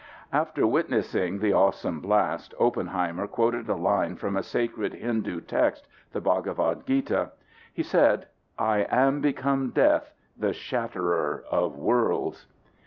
After witnessing the awesome blast, Oppenheimer quoted a line from a sacred Hindu text, the Bhagavad Gita: He said: "I am become death, the shatterer of worlds."